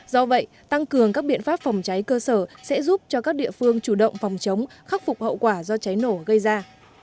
do vậy tăng cường các biện pháp phòng cháy cơ sở sẽ giúp cho các địa phương chủ động phòng chống khắc phục hậu quả do cháy nổ gây ra